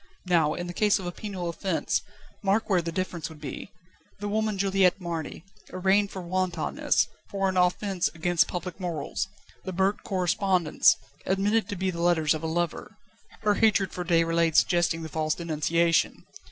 Now, in the case of a penal offence, mark where the difference would be! The woman Juliette Marny, arraigned for wantonness, for an offence against public morals; the burnt correspondence, admitted to be the letters of a lover her hatred for Déroulède suggesting the false denunciation.